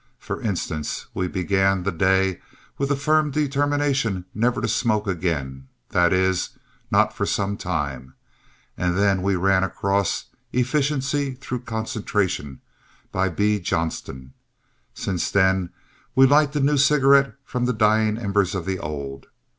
For instance, we began the day with a firm determination never to smoke again that is, not for some time and then we ran across Efficiency Through Concentration, by B. Johnston. Since then we light the new cigarette from the dying embers of the old.